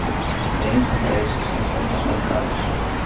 Bens com preços são sempre os mais caros.